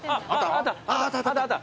あったあった！